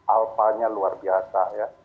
alphanya luar biasa